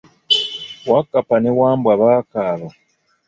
Wakkapa ne Wambwa bakaaba.